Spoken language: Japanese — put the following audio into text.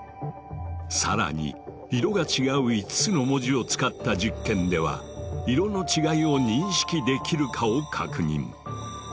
更に色が違う５つの文字を使った実験では色の違いを認識できるかを確認。